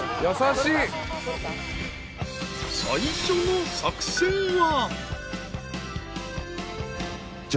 ［最初の作戦は］